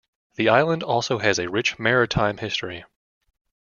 The island also has a rich maritime history.